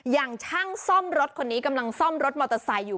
อย่างช่างซ่อมรถคนนี้กำลังซ่อมรถมอเตอร์ไซค์อยู่